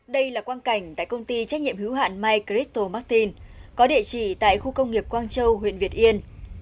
đây là quan cảnh tại công ty trách nhiệm hữu hạn micristo martin có địa chỉ tại khu công nghiệp quang châu huyện việt yên